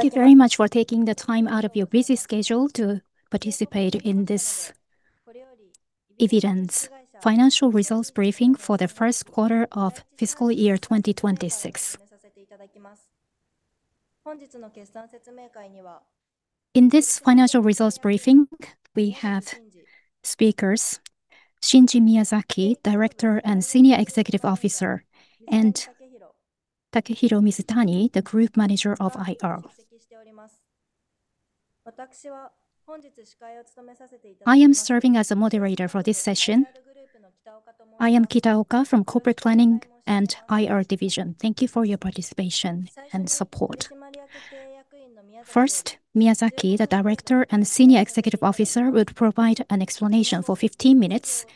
Thank you very much for taking the time out of your busy schedule to participate in this Ibiden's financial results briefing for the first quarter of fiscal year 2026. In this financial results briefing, we have speakers, Shinji Miyazaki, Director and Senior Executive Officer, and Takehiro Mizutani, the Group Manager of IR. I am serving as a moderator for this session. I am Kitaoka from Corporate Planning and IR Division. Thank you for your participation and support. First, Miyazaki, the Director and Senior Executive Officer, would provide an explanation for 15 minutes,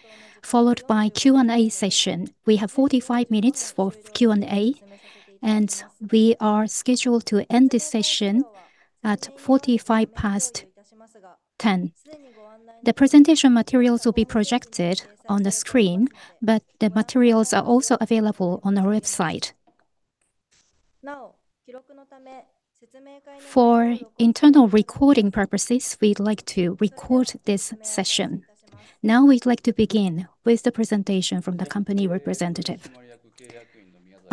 followed by Q&A session. We have 45 minutes for Q&A, and we are scheduled to end this session at 10:45 A.M. The presentation materials will be projected on the screen, but the materials are also available on our website. For internal recording purposes, we'd like to record this session. Now, we'd like to begin with the presentation from the company representative.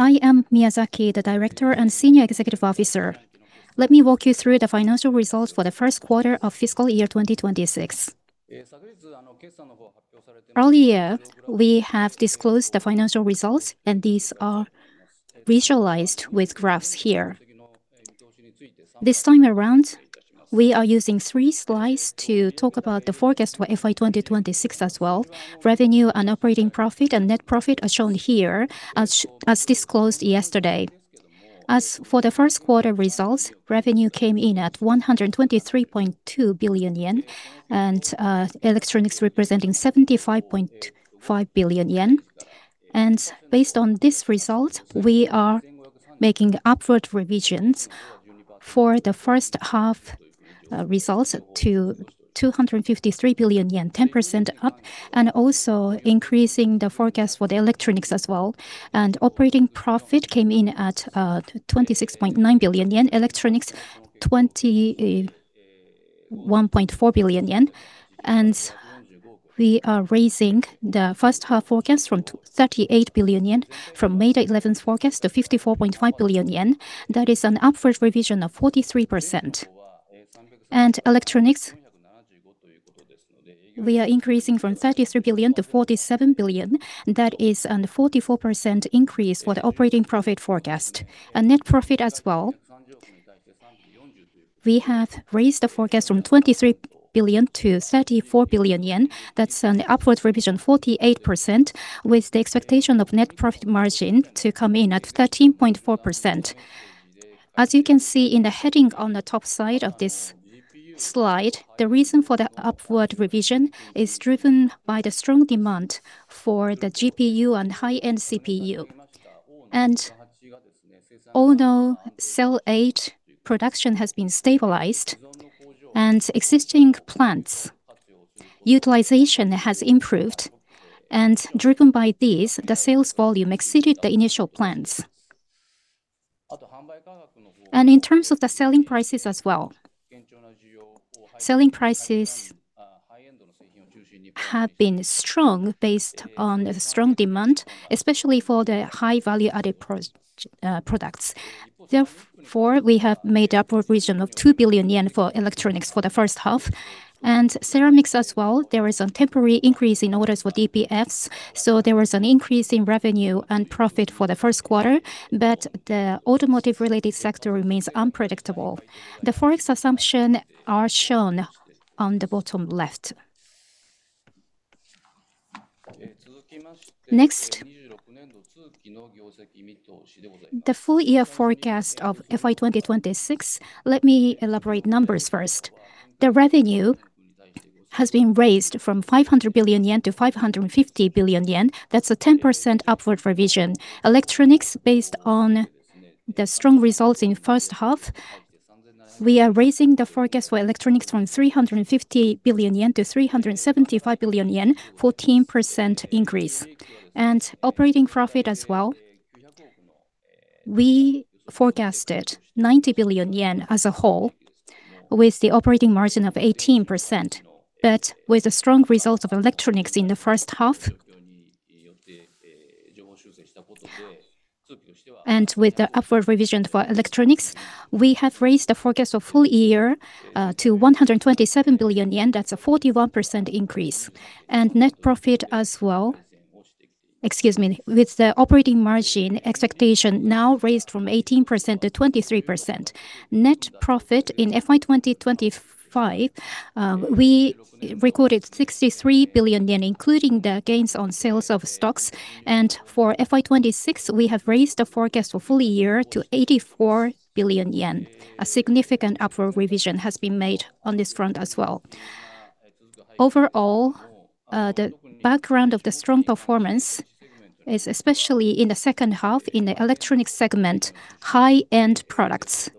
I am Miyazaki, the Director and Senior Executive Officer. Let me walk you through the financial results for the first quarter of fiscal year 2026. Earlier, we have disclosed the financial results, and these are visualized with graphs here. This time around, we are using three slides to talk about the forecast for FY 2026 as well. Revenue and operating profit and net profit are shown here as disclosed yesterday. As for the first quarter results, revenue came in at 123.2 billion yen, and electronics representing 75.5 billion yen. Based on this result, we are making upward revisions for the first half results to 253 billion yen, 10% up, and also increasing the forecast for the electronics as well. Operating profit came in at 26.9 billion yen, electronics 21.4 billion yen. We are raising the first half forecast from 38 billion yen, from May 11th forecast to 54.5 billion yen. That is an upward revision of 43%. Electronics, we are increasing from 33 billion to 47 billion. That is a 44% increase for the operating profit forecast. Net profit as well, we have raised the forecast from 23 billion to 34 billion yen. That's an upward revision, 48%, with the expectation of net profit margin to come in at 13.4%. As you can see in the heading on the top side of this slide, the reason for the upward revision is driven by the strong demand for the GPU and high-end CPU. Although Cell 8 production has been stabilized and existing plants utilization has improved, driven by this, the sales volume exceeded the initial plans. In terms of the selling prices as well. Selling prices have been strong based on the strong demand, especially for the high value-added products. Therefore, we have made upward revision of 2 billion yen for electronics for the first half. Ceramics as well, there is a temporary increase in orders for DPFs, so there was an increase in revenue and profit for the first quarter, but the automotive related sector remains unpredictable. The Forex assumption are shown on the bottom left. Next, the full year forecast of FY 2026. Let me elaborate numbers first. The revenue has been raised from 500 billion yen to 550 billion yen. That's a 10% upward revision. Electronics, based on the strong results in first half, we are raising the forecast for electronics from 350 billion yen to 375 billion yen, 14% increase. Operating profit as well, we forecasted 90 billion yen as a whole with the operating margin of 18%, but with the strong results of electronics in the first half, with the upward revision for electronics, we have raised the forecast of full year to 127 billion yen. That's a 41% increase. Net profit as well. With the operating margin expectation now raised from 18% to 23%. Net profit in FY 2025, we recorded 63 billion yen, including the gains on sales of stocks. For FY 2026, we have raised the forecast for full year to 84 billion yen. A significant upward revision has been made on this front as well. Overall, the background of the strong performance is especially in the second half in the electronic segment, high-end products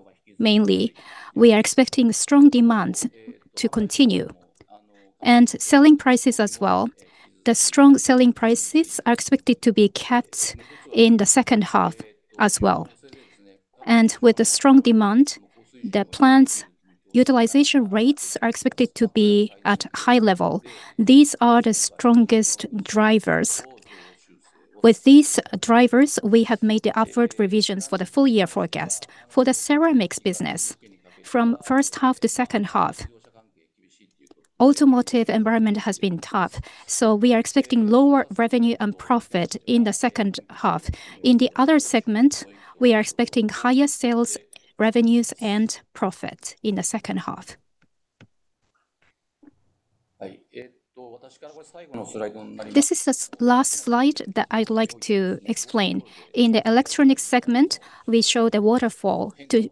mainly. We are expecting strong demand to continue. Selling prices as well. The strong selling prices are expected to be kept in the second half as well. With the strong demand, the plant utilization rates are expected to be at high level. These are the strongest drivers. With these drivers, we have made the upward revisions for the full year forecast for the ceramics business from first half to second half. Automotive environment has been tough, so we are expecting lower revenue and profit in the second half. In the other segment, we are expecting higher sales revenues and profit in the second half. This is the last slide that I'd like to explain. In the electronic segment, we show the waterfall to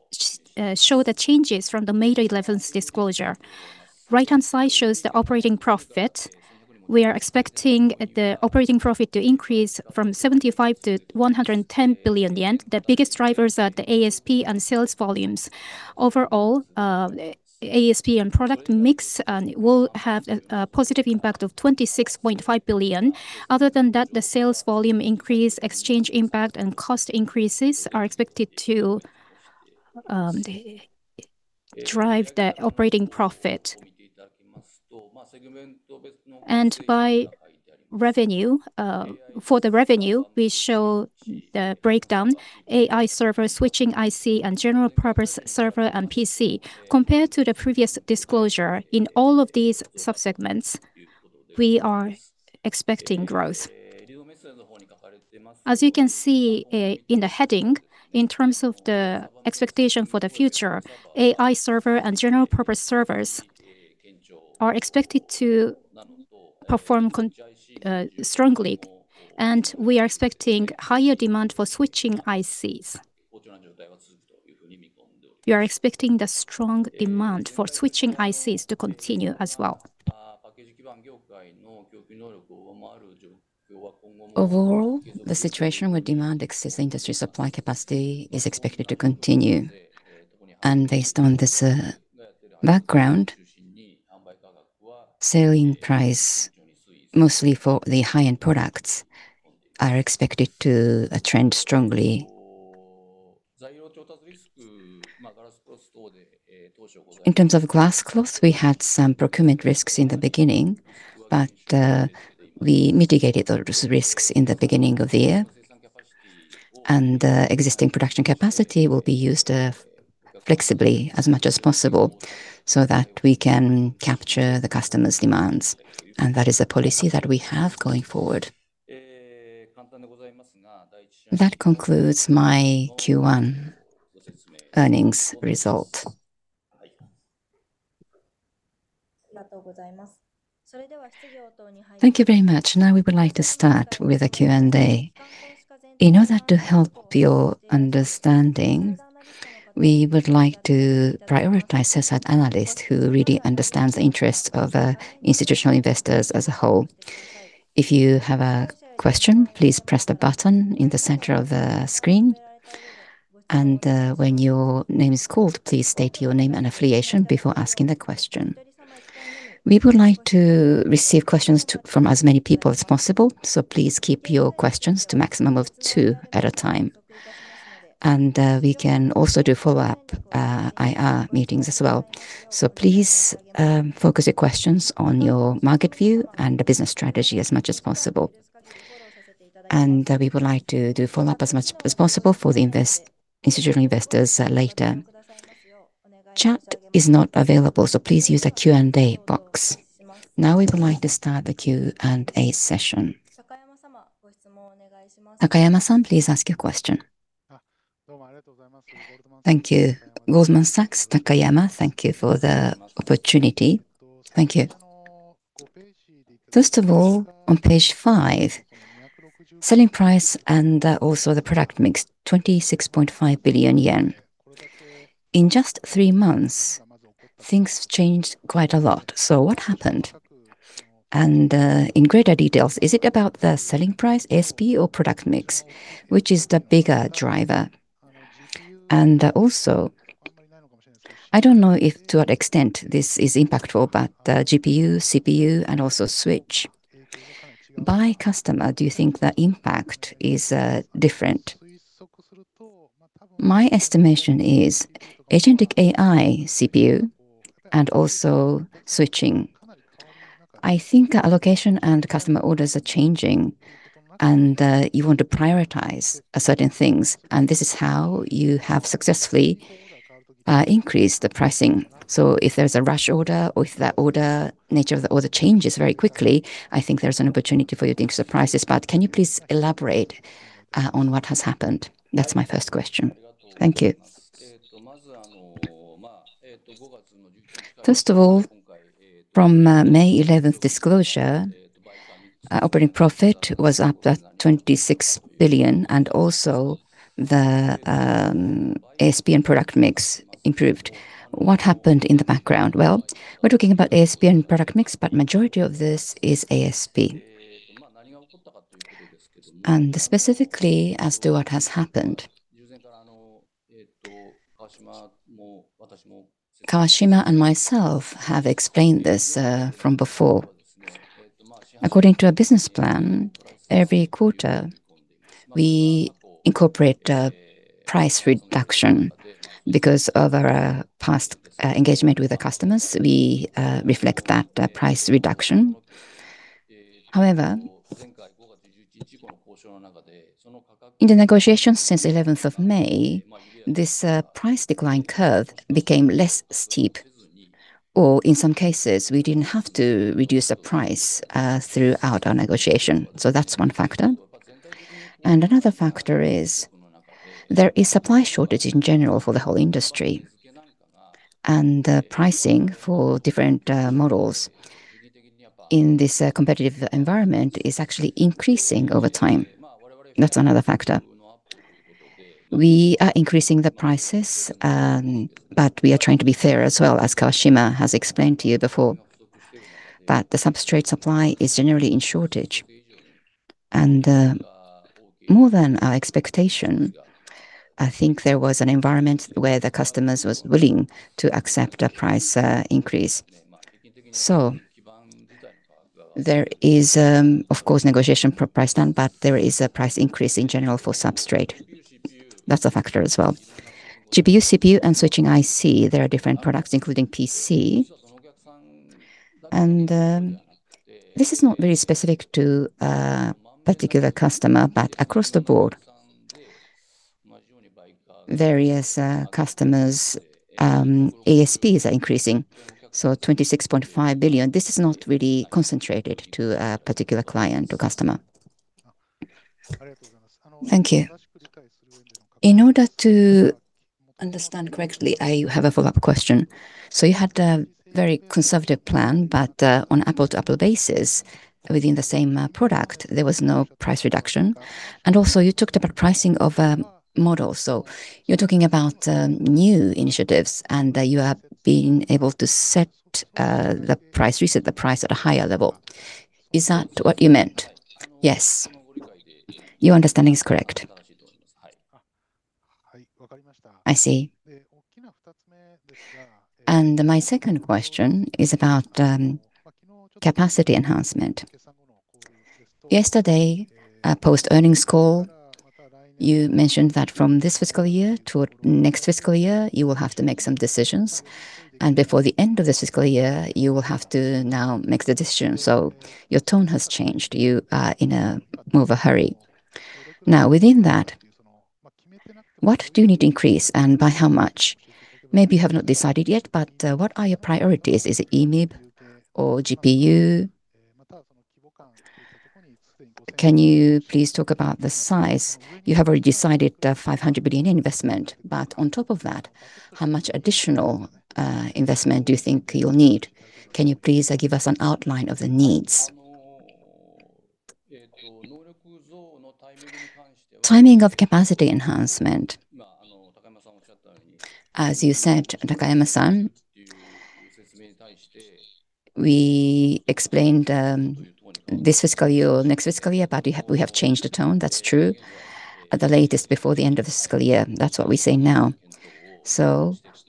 show the changes from the May 11th disclosure. Right-hand side shows the operating profit. We are expecting the operating profit to increase from 75 billion to 110 billion yen. The biggest drivers are the ASP and sales volumes. Overall, ASP and product mix will have a positive impact of 26.5 billion. Other than that, the sales volume increase, exchange impact, and cost increases are expected to drive the operating profit. For the revenue, we show the breakdown, AI server, switching IC, and general-purpose server and PC. Compared to the previous disclosure, in all of these sub-segments, we are expecting growth. As you can see in the heading, in terms of the expectation for the future, AI server and general-purpose servers are expected to perform strongly, and we are expecting higher demand for switching ICs. We are expecting the strong demand for switching ICs to continue as well. Overall, the situation where demand exceeds the industry supply capacity is expected to continue. Based on this background, selling price, mostly for the high-end products, are expected to trend strongly. In terms of glass cloth, we had some procurement risks in the beginning, but we mitigated those risks in the beginning of the year. The existing production capacity will be used flexibly as much as possible so that we can capture the customers' demands, and that is a policy that we have going forward. That concludes my Q1 earnings result. Thank you very much. We would like to start with the Q&A. In order to help your understanding, we would like to prioritize such analyst who really understands the interests of institutional investors as a whole. If you have a question, please press the button in the center of the screen, and when your name is called, please state your name and affiliation before asking the question. We would like to receive questions from as many people as possible, so please keep your questions to a maximum of two at a time. We can also do follow-up IR meetings as well. Please focus your questions on your market view and the business strategy as much as possible. We would like to do follow-up as much as possible for the institutional investors later. Chat is not available, please use the Q&A box. Now we would like to start the Q&A session. Takayama-san, please ask your question. Thank you. Goldman Sachs, Takayama. Thank you for the opportunity. Thank you. First of all, on page five, selling price and also the product mix, 26.5 billion yen. In just three months, things changed quite a lot. What happened? In greater details, is it about the selling price, ASP, or product mix? Which is the bigger driver? Also, I don't know to what extent this is impactful, but the GPU, CPU, and also switch. By customer, do you think the impact is different? My estimation is agentic AI CPU and also switching. I think allocation and customer orders are changing, and you want to prioritize certain things, and this is how you have successfully increased the pricing. If there's a rush order, or if the nature of the order changes very quickly, I think there's an opportunity for you to increase the prices. Can you please elaborate on what has happened? That's my first question. Thank you. First of all, from May 11th disclosure, operating profit was up 26 billion. Also the ASP and product mix improved. What happened in the background? Well, we're talking about ASP and product mix, but majority of this is ASP. Specifically as to what has happened Kawashima and myself have explained this from before. According to our business plan, every quarter, we incorporate a price reduction. Because of our past engagement with the customers, we reflect that price reduction. However, in the negotiations since 11th of May, this price decline curve became less steep, or in some cases, we didn't have to reduce the price throughout our negotiation. That's one factor. Another factor is there is supply shortage in general for the whole industry, and the pricing for different models in this competitive environment is actually increasing over time. That's another factor. We are increasing the prices, but we are trying to be fair as well, as Kawashima has explained to you before. The substrate supply is generally in shortage. More than our expectation, I think there was an environment where the customers were willing to accept a price increase. There is, of course, negotiation for price down, but there is a price increase in general for substrate. That's a factor as well. GPU, CPU, and switching IC, there are different products, including PC. This is not very specific to a particular customer, but across the board, various customers' ASPs are increasing. 26.5 billion, this is not really concentrated to a particular client or customer. Thank you. In order to understand correctly, I have a follow-up question. You had a very conservative plan, but on an apple-to-apple basis within the same product, there was no price reduction. Also, you talked about pricing of a model. You're talking about new initiatives, and you have been able to reset the price at a higher level. Is that what you meant? Yes. Your understanding is correct. I see. My second question is about capacity enhancement. Yesterday, post earnings call, you mentioned that from this fiscal year to next fiscal year, you will have to make some decisions, and before the end of this fiscal year, you will have to now make the decision. Your tone has changed. You are in more of a hurry. Within that, what do you need to increase, and by how much? Maybe you have not decided yet, but what are your priorities? Is it EMIB or GPU? Can you please talk about the size? You have already decided 500 billion investment, but on top of that, how much additional investment do you think you'll need? Can you please give us an outline of the needs? Timing of capacity enhancement. As you said, Takayama-san, we explained this fiscal year or next fiscal year, but we have changed the tone. That's true. At the latest, before the end of the fiscal year. That is what we say now.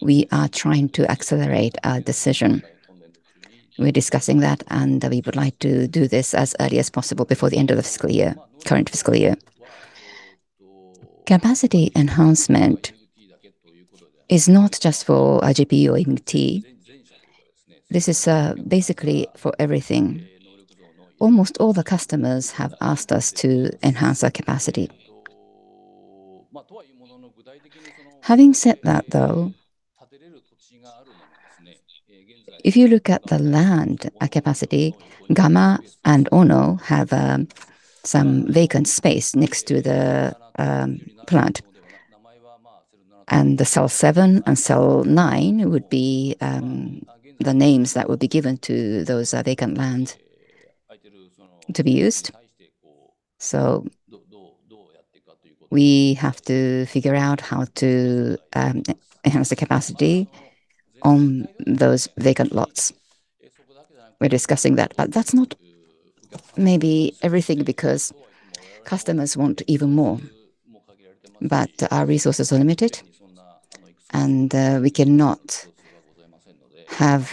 We are trying to accelerate our decision. We are discussing that, and we would like to do this as early as possible before the end of the current fiscal year. Capacity enhancement is not just for a GPU or EMIB. This is basically for everything. Almost all the customers have asked us to enhance our capacity. Having said that, though, if you look at the land capacity, Gama and Ono have some vacant space next to the plant. The Cell 7 and Cell 9 would be the names that would be given to those vacant land to be used. We have to figure out how to enhance the capacity on those vacant lots. We are discussing that. That is not maybe everything because customers want even more. Our resources are limited, and we cannot have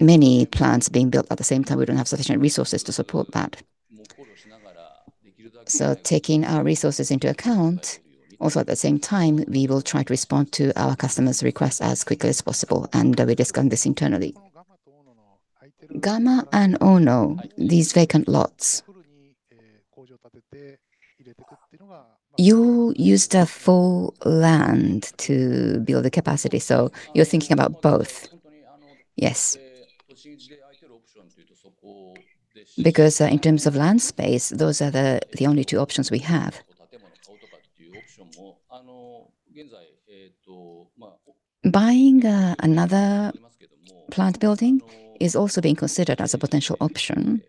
many plants being built at the same time. We do not have sufficient resources to support that. Taking our resources into account, also at the same time, we will try to respond to our customers' requests as quickly as possible, and we discuss this internally. Gama and Ono, these vacant lots, you used the full land to build the capacity. You are thinking about both. Yes. Because in terms of land space, those are the only two options we have. Buying another plant building is also being considered as a potential option.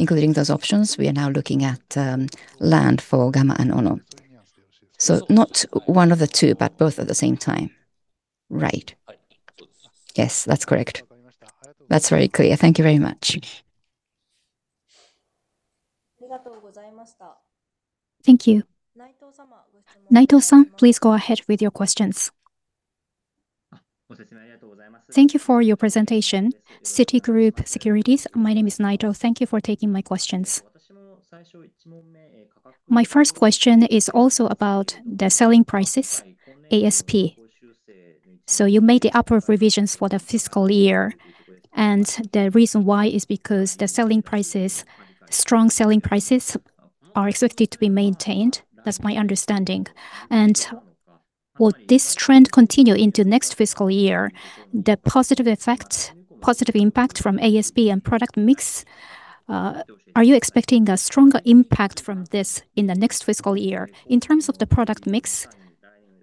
Including those options, we are now looking at land for Gama and Ono. Not one of the two, but both at the same time. Right. Yes, that is correct. That is very clear. Thank you very much. Thank you. Naito-san, please go ahead with your questions. Thank you for your presentation. Citigroup Securities. My name is Naito. Thank you for taking my questions. My first question is also about the selling prices, ASP. You made the upward revisions for the fiscal year, and the reason why is because the strong selling prices are expected to be maintained. That is my understanding. Will this trend continue into next fiscal year, the positive impact from ASP and product mix? Are you expecting a stronger impact from this in the next fiscal year? In terms of the product mix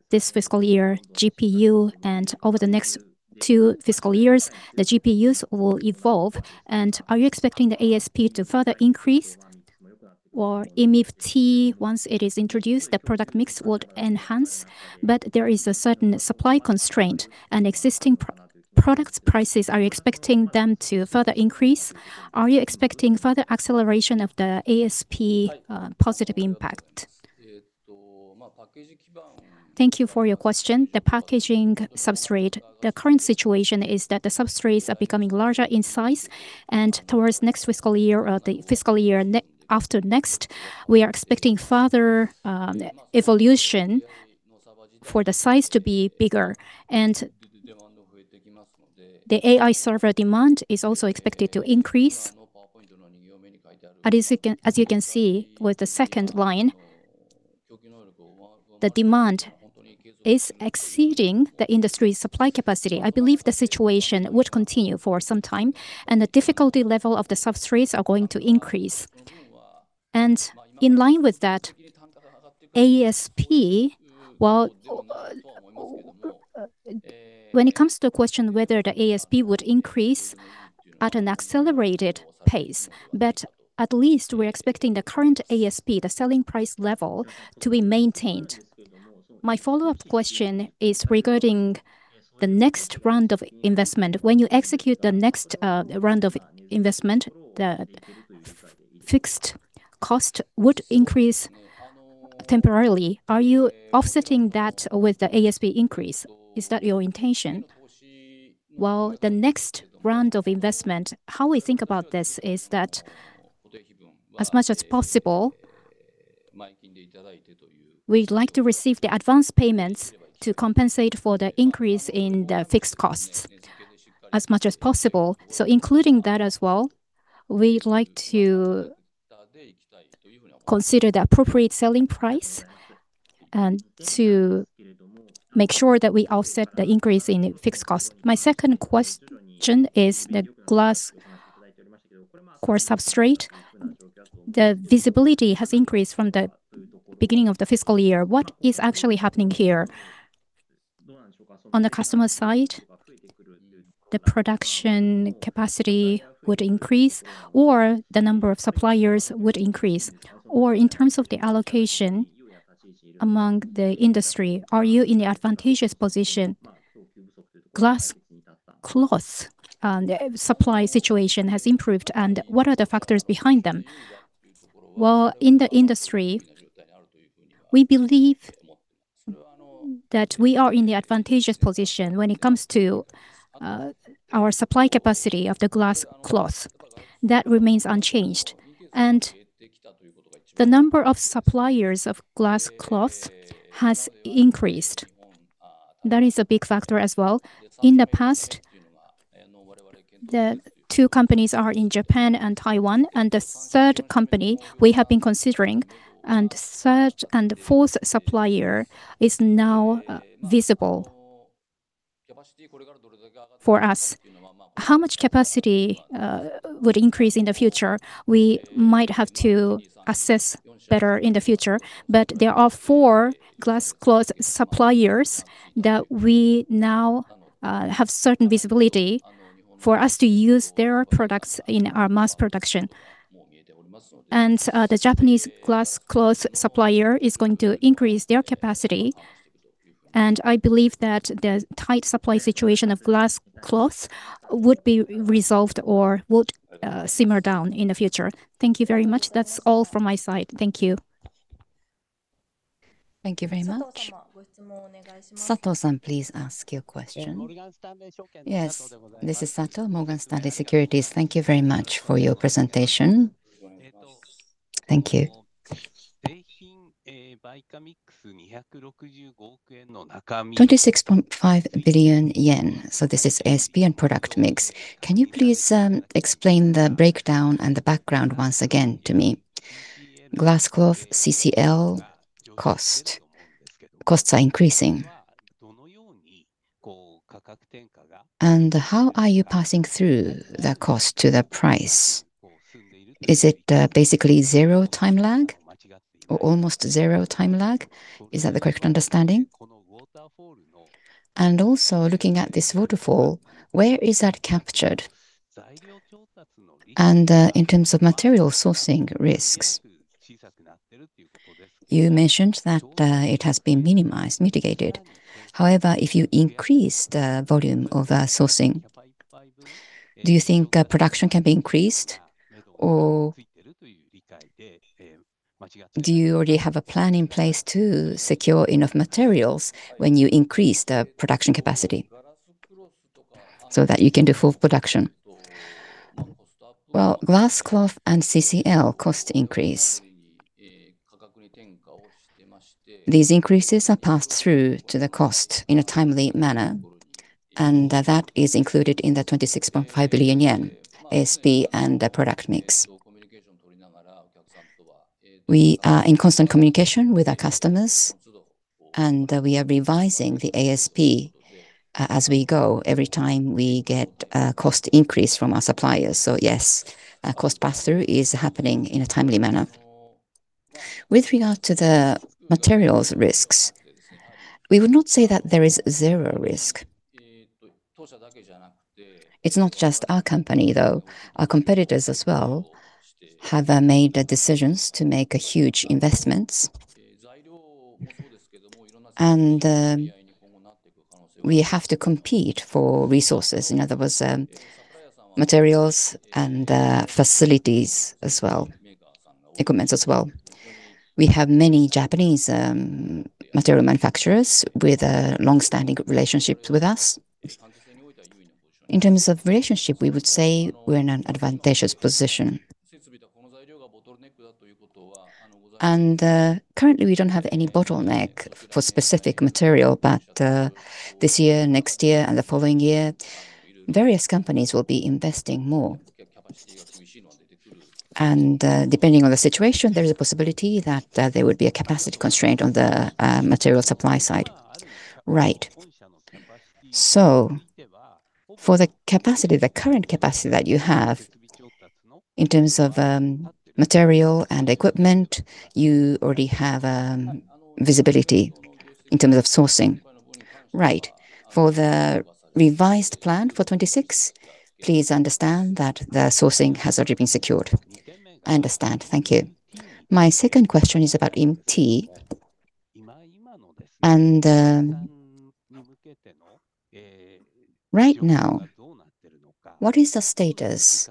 this fiscal year, GPU, and over the next two fiscal years, the GPUs will evolve, and are you expecting the ASP to further increase? EMIB‑T, once it is introduced, the product mix would enhance, but there is a certain supply constraint. Existing products prices, are you expecting them to further increase? Are you expecting further acceleration of the ASP positive impact? Thank you for your question. The packaging substrate, the current situation is that the substrates are becoming larger in size, and towards next fiscal year or the fiscal year after next, we are expecting further evolution for the size to be bigger. The AI server demand is also expected to increase. As you can see with the second line, the demand is exceeding the industry's supply capacity. I believe the situation would continue for some time, and the difficulty level of the substrates are going to increase. In line with that, ASP, when it comes to the question whether the ASP would increase at an accelerated pace. At least we are expecting the current ASP, the selling price level, to be maintained. My follow-up question is regarding the next round of investment. When you execute the next round of investment, the fixed cost would increase temporarily. Are you offsetting that with the ASP increase? Is that your intention? Well, the next round of investment, how we think about this is that as much as possible, we'd like to receive the advance payments to compensate for the increase in the fixed costs as much as possible. Including that as well, we'd like to consider the appropriate selling price and to make sure that we offset the increase in fixed cost. My second question is the glass core substrate. The visibility has increased from the beginning of the fiscal year. What is actually happening here? On the customer side, the production capacity would increase, or the number of suppliers would increase? In terms of the allocation among the industry, are you in the advantageous position? Glass cloth supply situation has improved, and what are the factors behind them? Well, in the industry, we believe that we are in the advantageous position when it comes to our supply capacity of the glass cloth. That remains unchanged. The number of suppliers of glass cloth has increased. That is a big factor as well. In the past, the two companies are in Japan and Taiwan, and the third company we have been considering, and third and fourth supplier is now visible for us. How much capacity would increase in the future, we might have to assess better in the future. There are four glass cloth suppliers that we now have certain visibility for us to use their products in our mass production. The Japanese glass cloth supplier is going to increase their capacity, and I believe that the tight supply situation of glass cloth would be resolved or would simmer down in the future. Thank you very much. That's all from my side. Thank you. Thank you very much. Sato-san, please ask your question. Yes. This is Sato, Morgan Stanley Securities. Thank you very much for your presentation. Thank you. 26.5 billion yen. This is ASP and product mix. Can you please explain the breakdown and the background once again to me? Glass cloth CCL costs are increasing. How are you passing through the cost to the price? Is it basically zero time lag or almost zero time lag? Is that the correct understanding? Also looking at this waterfall, where is that captured? In terms of material sourcing risks, you mentioned that it has been minimized, mitigated. However, if you increase the volume of sourcing, do you think production can be increased? Or do you already have a plan in place to secure enough materials when you increase the production capacity so that you can do full production? Well, glass cloth and CCL cost increase. These increases are passed through to the cost in a timely manner, and that is included in the 26.5 billion yen ASP and product mix. We are in constant communication with our customers, and we are revising the ASP as we go every time we get a cost increase from our suppliers. Yes, cost pass-through is happening in a timely manner. With regard to the materials risks, we would not say that there is zero risk. It's not just our company, though. Our competitors as well have made the decisions to make huge investments. We have to compete for resources, in other words, materials and facilities as well, equipments as well. We have many Japanese material manufacturers with long-standing relationships with us. In terms of relationship, we would say we're in an advantageous position. Currently, we don't have any bottleneck for specific material. This year, next year, and the following year, various companies will be investing more. Depending on the situation, there is a possibility that there would be a capacity constraint on the material supply side. Right. For the capacity, the current capacity that you have in terms of material and equipment, you already have visibility in terms of sourcing. Right. For the revised plan for FY 2026, please understand that the sourcing has already been secured. I understand. Thank you. My second question is about EMIB-T. Right now, what is the status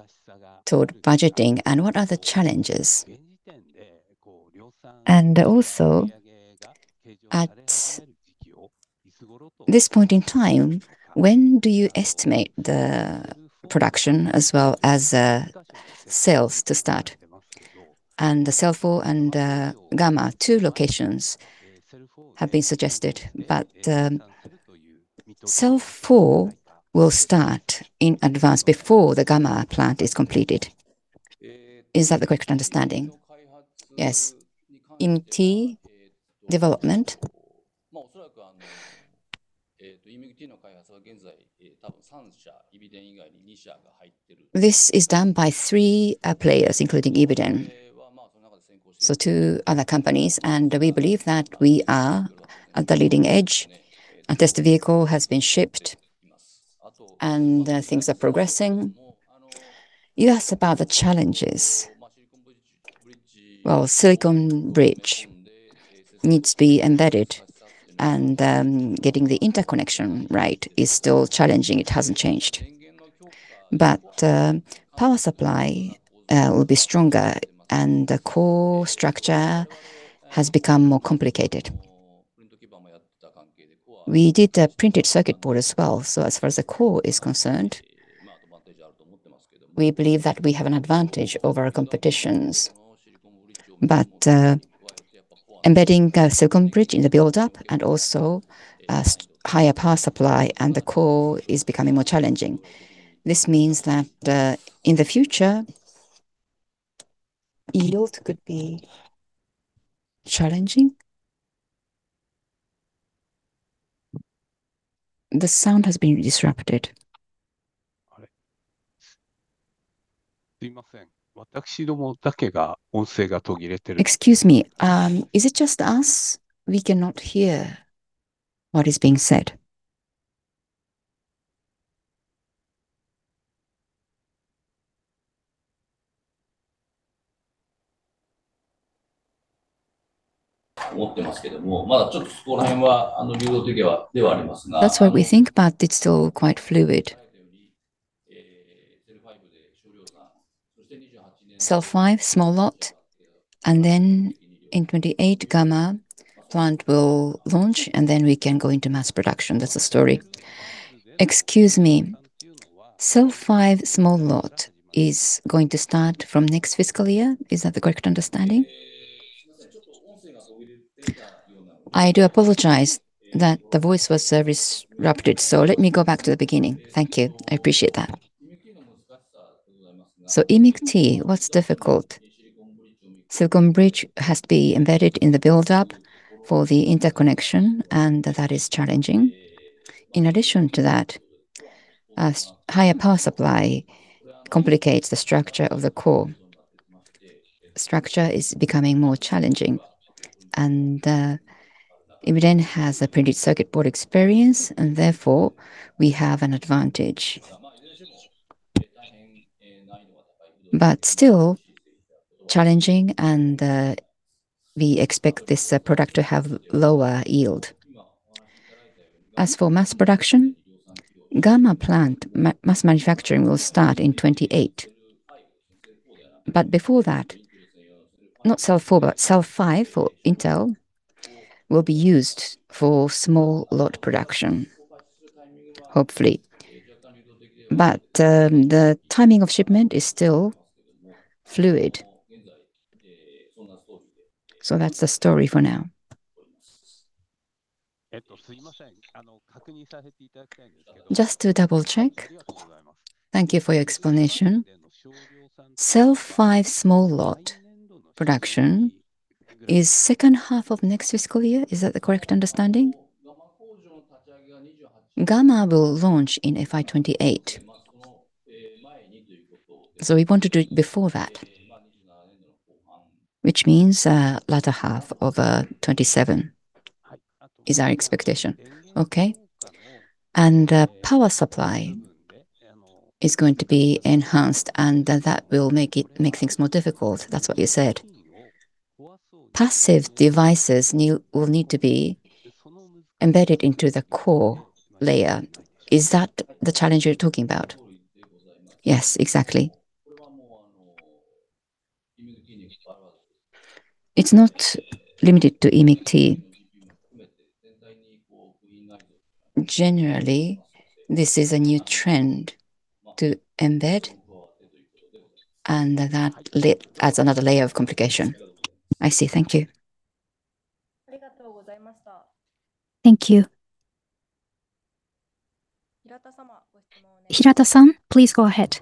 toward budgeting and what are the challenges? Also, at this point in time, when do you estimate the production as well as sales to start? The Cell 4 and Gama, two locations have been suggested, but Cell 4 will start in advance before the Gama plant is completed. Is that the correct understanding? Yes. EMIB-T development, this is done by three players, including Ibiden. Two other companies, and we believe that we are at the leading edge. A test vehicle has been shipped and things are progressing. You asked about the challenges. silicon bridge needs to be embedded, and getting the interconnection right is still challenging. It hasn't changed. Power supply will be stronger, and the core structure has become more complicated. We did a Printed Circuit Board as well. As far as the core is concerned, we believe that we have an advantage over our competitions. Embedding a silicon bridge in the buildup and also higher power supply and the core is becoming more challenging. This means that in the future, yield could be challenging. The sound has been disrupted. Excuse me. Is it just us? We cannot hear what is being said. That's what we think, but it's still quite fluid. Cell 5 small lot, and then in 2028, Gama plant will launch, and then we can go into mass production. That's the story. Excuse me. Cell 5 small lot is going to start from next fiscal year. Is that the correct understanding? I do apologize that the voice was disrupted. Let me go back to the beginning. Thank you. I appreciate that. EMIB-T, what's difficult? silicon bridge has to be embedded in the buildup for the interconnection, and that is challenging. In addition to that, higher power supply complicates the structure of the core structure is becoming more challenging. Ibiden has a Printed Circuit Board experience, and therefore, we have an advantage. Still challenging, and we expect this product to have lower yield. As for mass production, Gama plant mass manufacturing will start in 2028. Before that, not Cell 4, but Cell 5 for Intel will be used for small lot production, hopefully. The timing of shipment is still fluid. That's the story for now. Just to double-check, thank you for your explanation. Cell 5 small lot production is second half of next fiscal year. Is that the correct understanding? Gama will launch in FY 2028. We want to do it before that, which means latter half of 2027 is our expectation. Okay. Power supply is going to be enhanced, and that will make things more difficult. That's what you said. Passive devices will need to be embedded into the core layer. Is that the challenge you're talking about? Yes, exactly. It's not limited to EMIB-T. Generally, this is a new trend to embed, and that adds another layer of complication. I see. Thank you. Thank you. Hirata-san, please go ahead.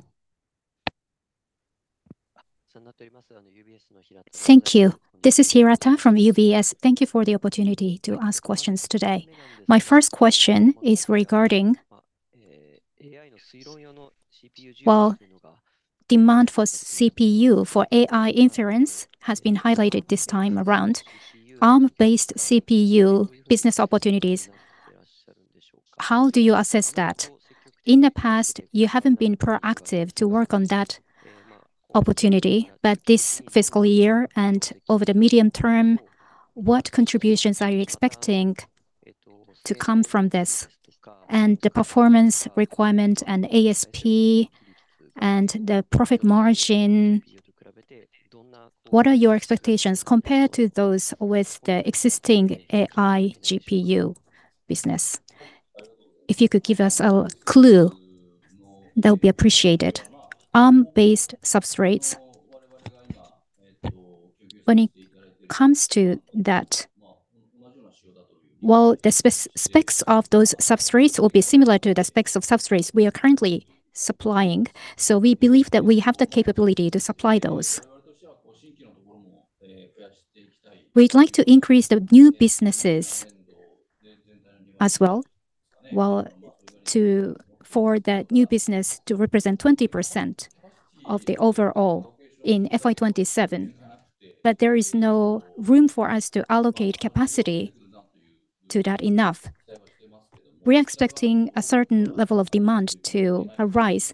Thank you. This is Hirata from UBS. Thank you for the opportunity to ask questions today. My first question is regarding, while demand for CPU for AI inference has been highlighted this time around, ARM-based CPU business opportunities, how do you assess that? In the past, you haven't been proactive to work on that opportunity, this fiscal year and over the medium term, what contributions are you expecting to come from this? The performance requirement and ASP and the profit margin, what are your expectations compared to those with the existing AI GPU business? If you could give us a clue, that would be appreciated. ARM-based substrates, when it comes to that, while the specs of those substrates will be similar to the specs of substrates we are currently supplying, we believe that we have the capability to supply those. We'd like to increase the new businesses as well, while for that new business to represent 20% of the overall in FY 2027, there is no room for us to allocate capacity to that enough. We're expecting a certain level of demand to arise,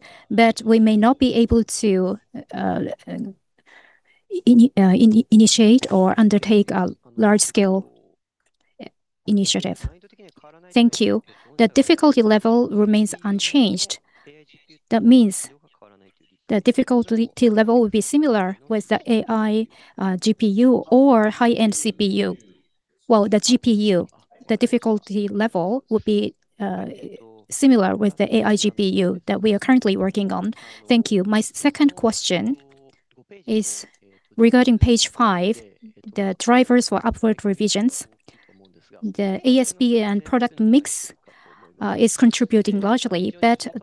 we may not be able to initiate or undertake a large-scale initiative. The difficulty level remains unchanged. That means the difficulty level will be similar with the AI GPU or high-end CPU, the GPU. The difficulty level will be similar with the AI GPU that we are currently working on. Thank you. My second question is regarding page 5, the drivers for upward revisions. The ASP and product mix is contributing largely,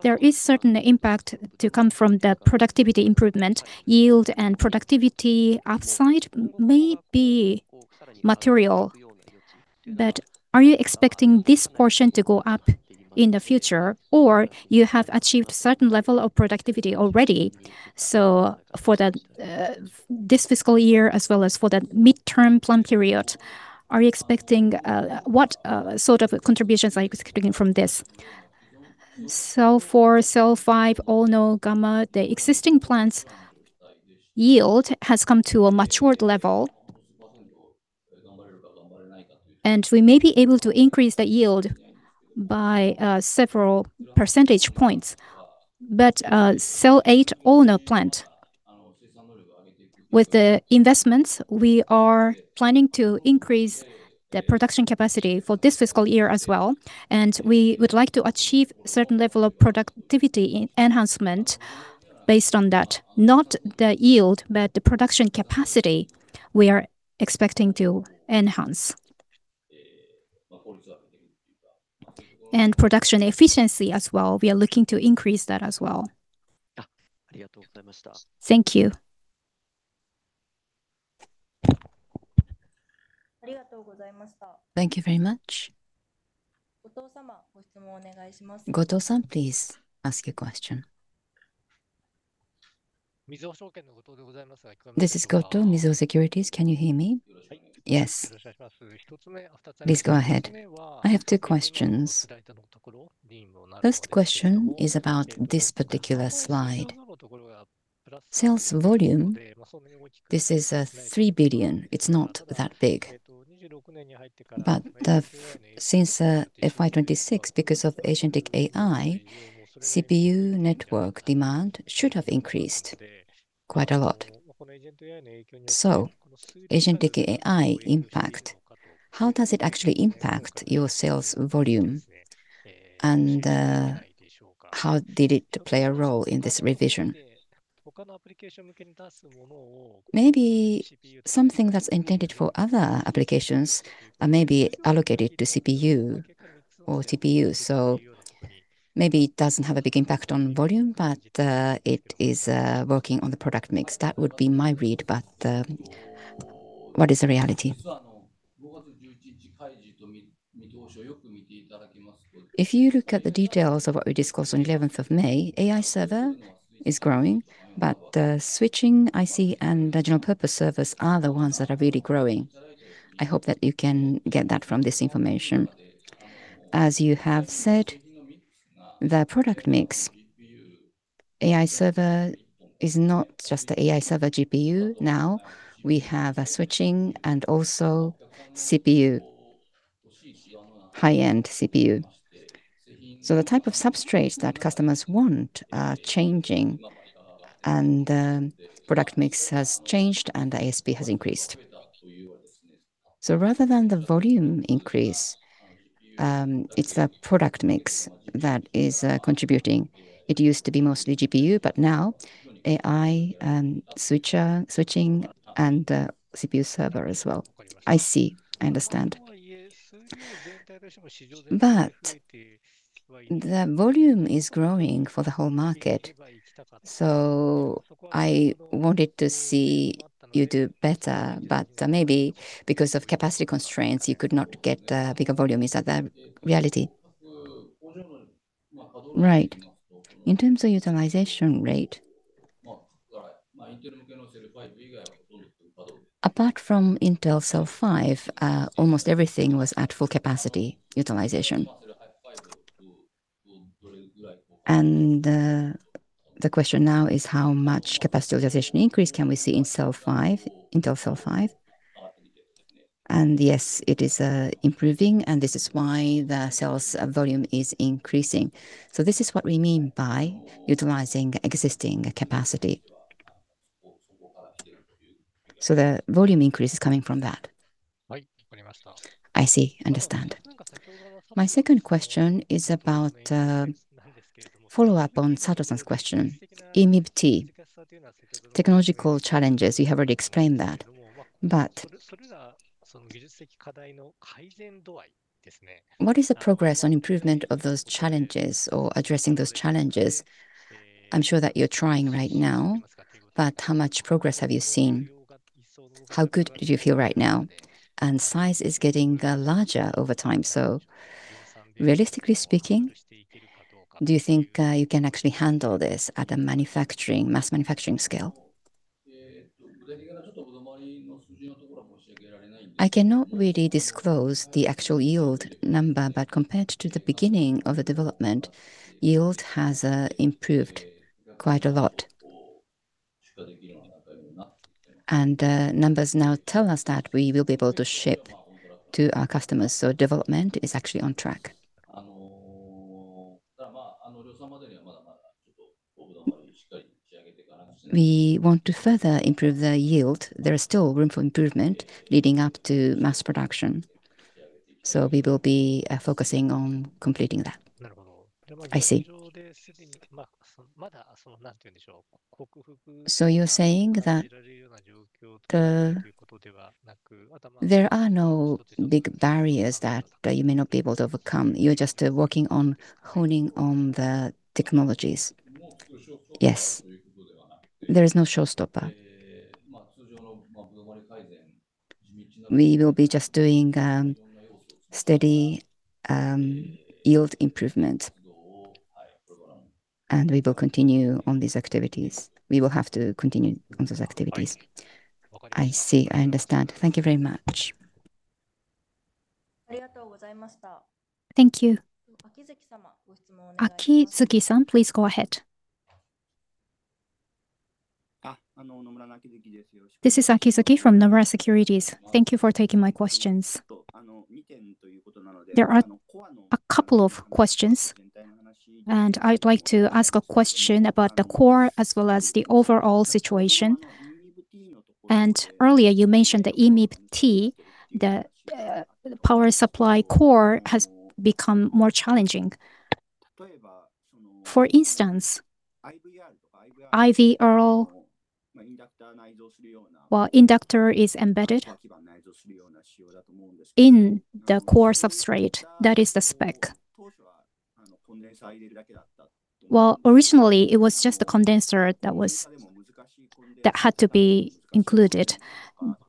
there is certain impact to come from the productivity improvement. Yield and productivity upside may be material. Are you expecting this portion to go up in the future, or you have achieved certain level of productivity already? For this fiscal year as well as for that midterm plan period, what sort of contributions are you expecting from this? Cell 4, Cell 5, Ono, Gama, the existing plants' yield has come to a matured level. We may be able to increase the yield by several percentage points. Cell 8, Ono plant, with the investments, we are planning to increase the production capacity for this fiscal year as well, we would like to achieve certain level of productivity enhancement based on that, not the yield, but the production capacity we are expecting to enhance. Production efficiency as well, we are looking to increase that as well. Thank you. Thank you very much. Gotoh-san, please ask your question. This is Gotoh, Mizuho Securities. Can you hear me? Yes. Please go ahead. I have two questions. First question is about this particular slide. Sales volume, this is 3 billion. It is not that big. Since FY 2026, because of agentic AI, CPU network demand should have increased quite a lot. Agentic AI impact, how does it actually impact your sales volume? How did it play a role in this revision? Something that is intended for other applications may be allocated to CPU or TPU, so maybe it does not have a big impact on volume, but it is working on the product mix. That would be my read, but what is the reality? If you look at the details of what we discussed on 11th of May, AI server is growing, but the switching IC and general purpose servers are the ones that are really growing. I hope that you can get that from this information. As you have said, the product mix, AI server is not just the AI server GPU now, we have a switching and also high-end CPU. The type of substrates that customers want are changing, and the product mix has changed, and the ASP has increased. Rather than the volume increase, it is the product mix that is contributing. It used to be mostly GPU, but now AI and switching, and CPU server as well. I see. I understand. The volume is growing for the whole market, so I wanted to see you do better. Maybe because of capacity constraints, you could not get a bigger volume. Is that the reality? Right. In terms of utilization rate, apart from Intel Cell 5, almost everything was at full capacity utilization. The question now is, how much capacity utilization increase can we see in Intel Cell 5? Yes, it is improving, and this is why the sales volume is increasing. This is what we mean by utilizing existing capacity. The volume increase is coming from that. I see. Understand. My second question is about follow-up on Sato-san's question. EMIB-T, technological challenges, you have already explained that. What is the progress on improvement of those challenges or addressing those challenges? I am sure that you are trying right now, but how much progress have you seen? How good do you feel right now? Size is getting larger over time, so realistically speaking, do you think you can actually handle this at a mass manufacturing scale? I cannot really disclose the actual yield number, but compared to the beginning of the development, yield has improved quite a lot. The numbers now tell us that we will be able to ship to our customers, development is actually on track. We want to further improve the yield. There is still room for improvement leading up to mass production, we will be focusing on completing that. I see. You're saying that there are no big barriers that you may not be able to overcome. You're just working on honing the technologies. Yes. There is no showstopper. We will be just doing steady yield improvement. We will continue on these activities. We will have to continue on those activities. I see. I understand. Thank you very much. Thank you. Akizuki-san, please go ahead. This is Akizuki from Nomura Securities. Thank you for taking my questions. There are a couple of questions, I'd like to ask a question about the core as well as the overall situation. Earlier you mentioned the EMIB-T, the power supply core has become more challenging. For instance, IPD or inductor is embedded in the core substrate. That is the spec. Originally it was just the condenser that had to be included.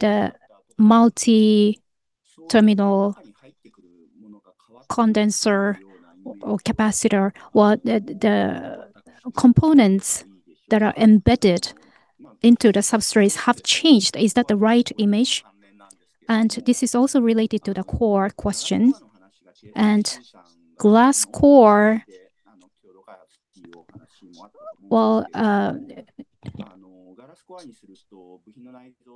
The multi-terminal condenser or capacitor, the components that are embedded into the substrates have changed. Is that the right image? This is also related to the core question and glass core.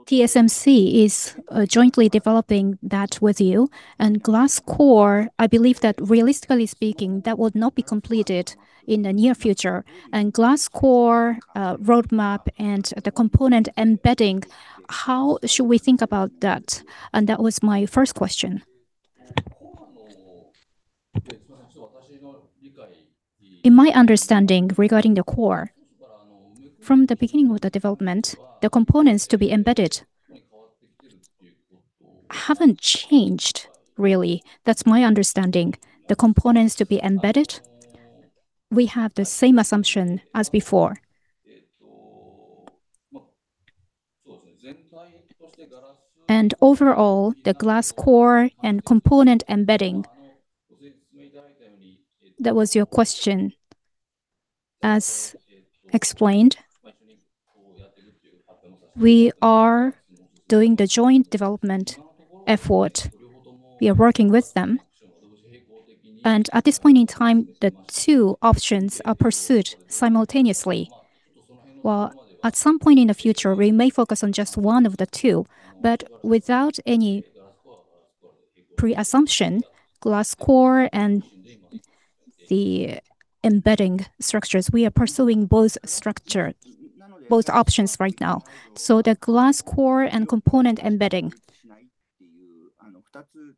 TSMC is jointly developing that with you and glass core, I believe that realistically speaking, that would not be completed in the near future. Glass core roadmap and the component embedding, how should we think about that? That was my first question. In my understanding regarding the core, from the beginning of the development, the components to be embedded haven't changed, really. That's my understanding. The components to be embedded, we have the same assumption as before. Overall, the glass core and component embedding, that was your question. As explained, we are doing the joint development effort. We are working with them, and at this point in time, the two options are pursued simultaneously, while at some point in the future, we may focus on just one of the two, but without any preassumption, glass core and the embedding structures, we are pursuing both options right now. The glass core and component embedding,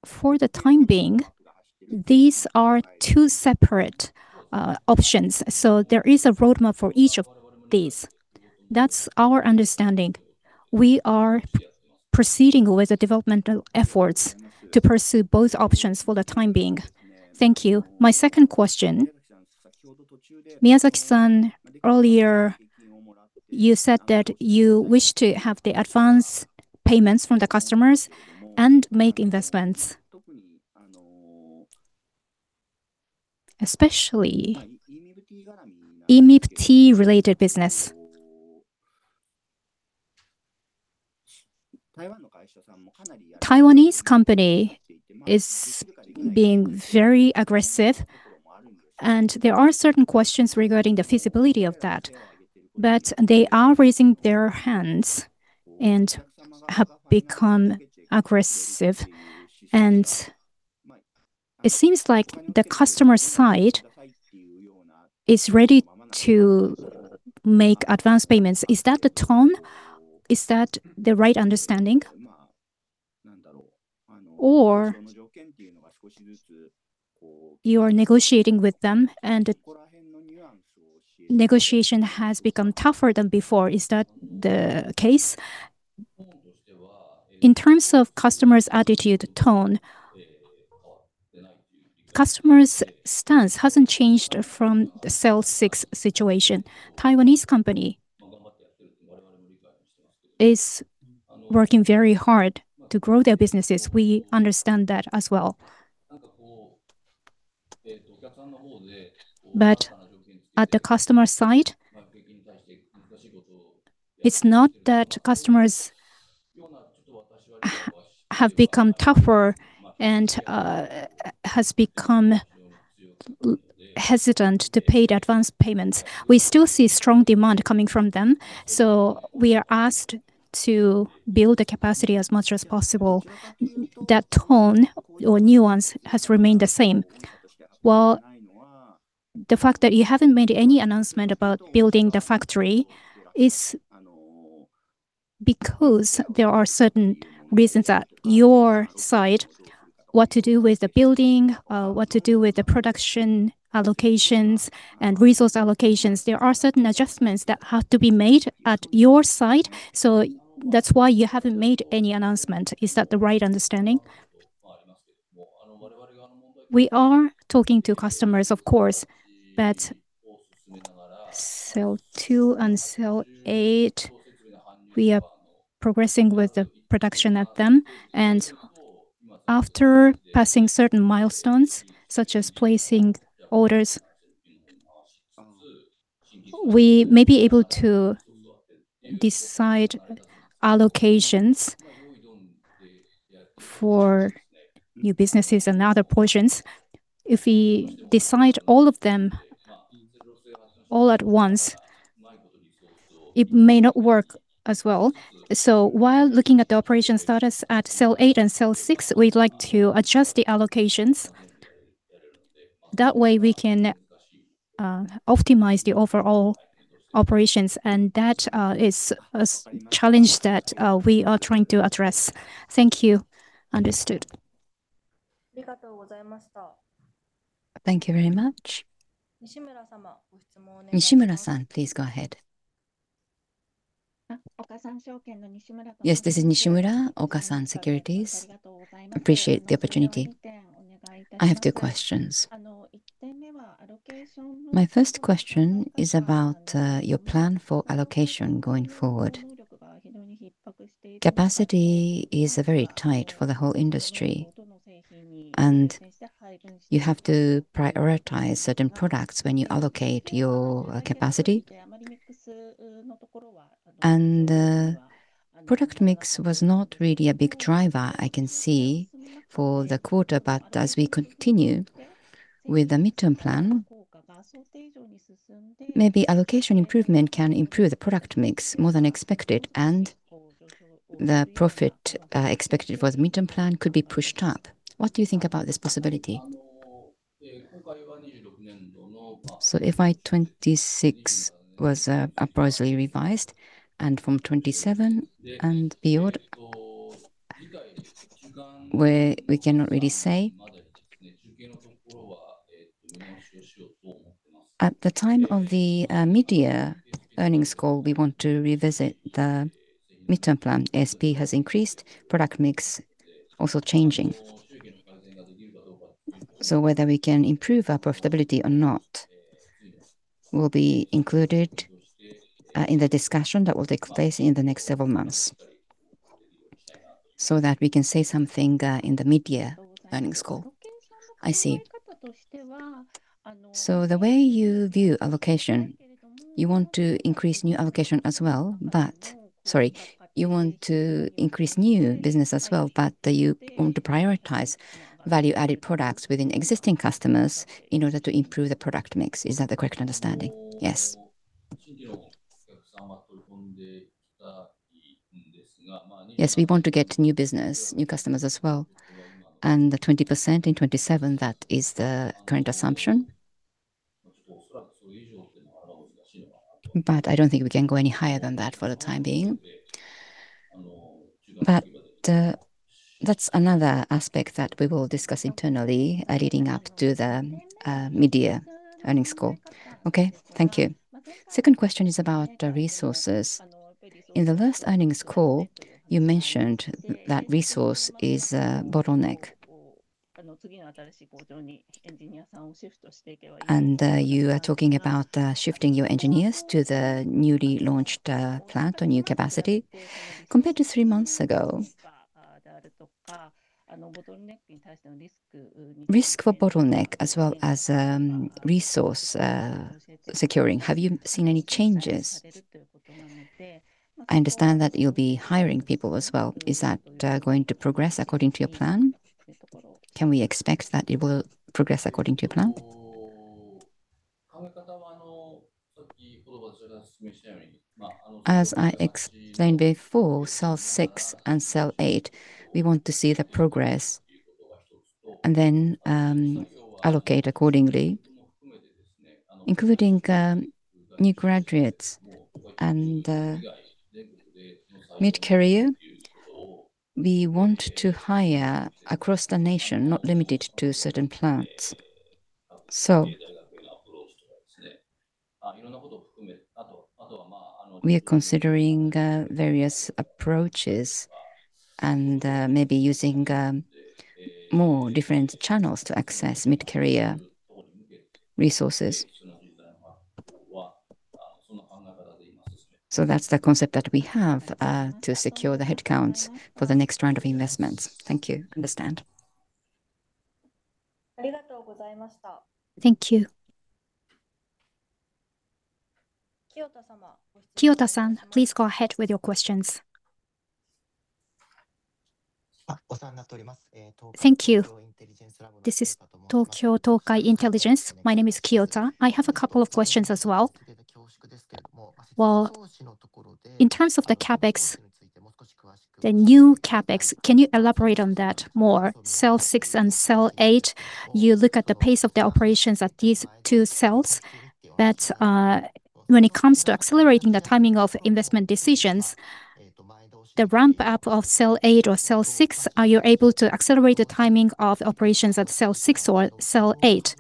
for the time being, these are two separate options. There is a roadmap for each of these. That's our understanding. We are proceeding with the developmental efforts to pursue both options for the time being. Thank you. My second question. Miyazaki-san, earlier you said that you wish to have the advance payments from the customers and make investments, especially EMIB-T related business. Taiwanese company is being very aggressive and there are certain questions regarding the feasibility of that. They are raising their hands and have become aggressive, and it seems like the customer side is ready to make advance payments. Is that the tone? Is that the right understanding? Or you are negotiating with them and negotiation has become tougher than before. Is that the case? In terms of customers' attitude tone, customers' stance hasn't changed from the Cell 6 situation. Taiwanese company is working very hard to grow their businesses. We understand that as well. At the customer side, it's not that customers have become tougher and has become hesitant to pay the advance payments. We still see strong demand coming from them, we are asked to build the capacity as much as possible. That tone or nuance has remained the same. The fact that you haven't made any announcement about building the factory is because there are certain reasons at your side what to do with the building, what to do with the production allocations and resource allocations. There are certain adjustments that have to be made at your site, that's why you haven't made any announcement. Is that the right understanding? We are talking to customers, of course, but Cell 2 and Cell 8, we are progressing with the production at them. After passing certain milestones, such as placing orders, we may be able to decide allocations for new businesses and other portions. If we decide all of them all at once, it may not work as well. While looking at the operation status at Cell 8 and Cell 6, we'd like to adjust the allocations. That way we can optimize the overall operations and that is a challenge that we are trying to address. Thank you. Understood. Thank you very much. Nishimura, please go ahead. Yes, this is Nishimura, Okasan Securities. Appreciate the opportunity. I have two questions. My first question is about your plan for allocation going forward. Capacity is very tight for the whole industry, and you have to prioritize certain products when you allocate your capacity. Product mix was not really a big driver, I can see, for the quarter, but as we continue with the midterm plan, maybe allocation improvement can improve the product mix more than expected and the profit expected for the midterm plan could be pushed up. What do you think about this possibility? FY 2026 was approximately revised, and from 2027 and beyond, we cannot really say. At the time of the mid-year earnings call, we want to revisit the midterm plan. ASP has increased, product mix also changing. Whether we can improve our profitability or not will be included in the discussion that will take place in the next several months so that we can say something in the mid-year earnings call. I see. The way you view allocation, you want to increase new business as well, but you want to prioritize value-added products within existing customers in order to improve the product mix. Is that the correct understanding? Yes. Yes, we want to get new business, new customers as well. The 20% in FY 2027, that is the current assumption. I don't think we can go any higher than that for the time being. That's another aspect that we will discuss internally leading up to the mid-year earnings call. Okay. Thank you. Second question is about resources. In the last earnings call, you mentioned that resource is a bottleneck. You are talking about shifting your engineers to the newly launched plant or new capacity. Compared to three months ago, risk for bottleneck as well as resource securing, have you seen any changes? I understand that you'll be hiring people as well. Is that going to progress according to your plan? Can we expect that it will progress according to plan? As I explained before, Cell 6 and Cell 8, we want to see the progress then allocate accordingly, including new graduates and mid-career. We want to hire across the nation, not limited to certain plants. We are considering various approaches and maybe using more different channels to access mid-career resources. That's the concept that we have to secure the headcounts for the next round of investments. Thank you. Understand. Thank you. Kiyota-san, please go ahead with your questions. Thank you. This is Tokai Tokyo Intelligence. My name is Kiyota. I have a couple of questions as well. Well, in terms of the CapEx, the new CapEx, can you elaborate on that more? Cell 6 and Cell 8, you look at the pace of the operations at these two cells, but when it comes to accelerating the timing of investment decisions, the ramp-up of Cell 8 or Cell 6, are you able to accelerate the timing of operations at Cell 6 or Cell 8?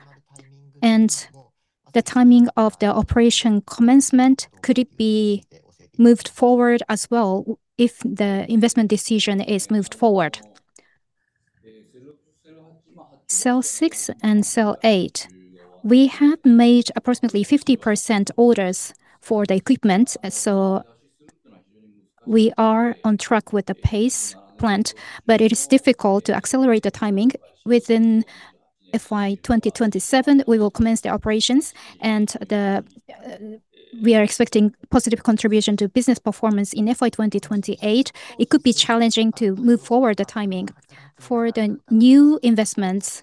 The timing of the operation commencement, could it be moved forward as well if the investment decision is moved forward? Cell 6 and Cell 8, we have made approximately 50% orders for the equipment, so we are on track with the pace planned, but it is difficult to accelerate the timing. Within FY 2027, we will commence the operations, and we are expecting positive contribution to business performance in FY 2028. It could be challenging to move forward the timing. For the new investments,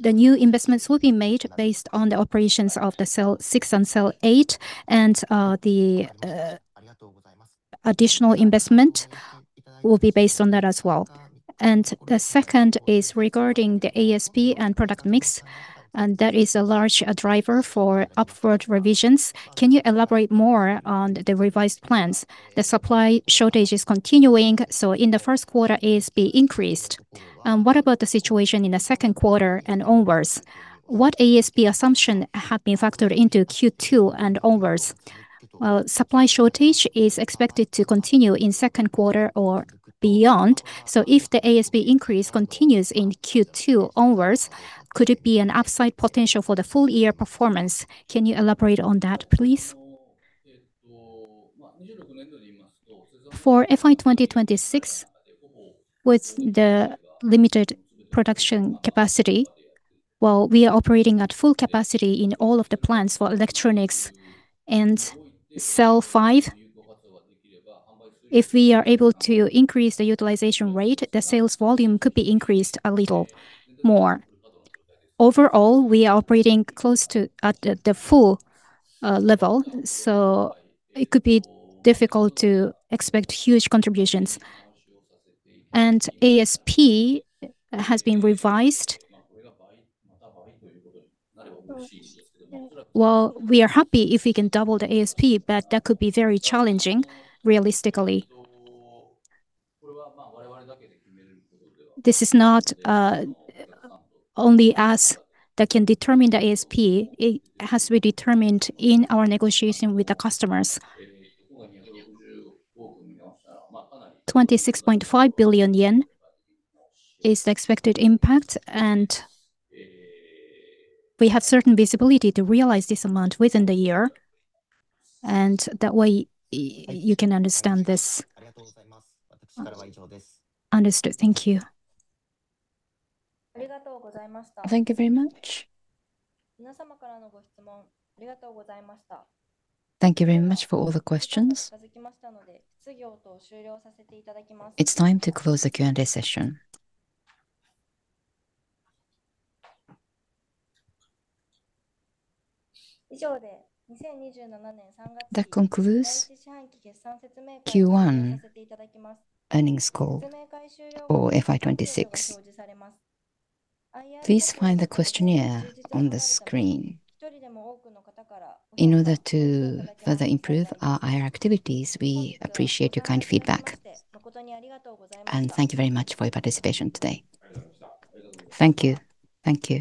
the new investments will be made based on the operations of the Cell 6 and Cell 8, and the additional investment will be based on that as well. The second is regarding the ASP and product mix, and that is a large driver for upward revisions. Can you elaborate more on the revised plans? The supply shortage is continuing, so in the first quarter, ASP increased. What about the situation in the second quarter and onwards? What ASP assumption have been factored into Q2 and onwards? Supply shortage is expected to continue in second quarter or beyond. If the ASP increase continues in Q2 onwards, could it be an upside potential for the full-year performance? Can you elaborate on that, please? For FY 2026, with the limited production capacity, while we are operating at full capacity in all of the plants for electronics and Cell 5, if we are able to increase the utilization rate, the sales volume could be increased a little more. Overall, we are operating close to at the full level, so it could be difficult to expect huge contributions. ASP has been revised. We are happy if we can double the ASP, but that could be very challenging realistically. This is not only us that can determine the ASP. It has to be determined in our negotiation with the customers. 26.5 billion yen is the expected impact. We have certain visibility to realize this amount within the year. That way you can understand this. Understood. Thank you. Thank you very much. Thank you very much for all the questions. It's time to close the Q&A session. That concludes Q1 earnings call for FY 2026. Please find the questionnaire on the screen. In order to further improve our IR activities, we appreciate your kind feedback. Thank you very much for your participation today. Thank you.